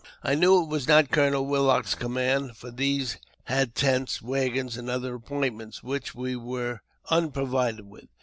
I knew it was not Colonel Willock's command, for these had tents, waggons, and other appointments, which we were un provided with.